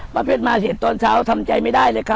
ป้าเพชรมาเสร็จตอนเช้าทำใจไม่ได้เลยค่ะ